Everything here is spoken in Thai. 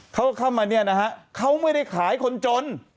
เข้ามาเนี่ยนะฮะเขาไม่ได้ขายคนจน